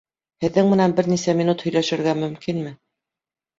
Һеҙҙең менән бер нисә минут һөйләшергә мөмкинме?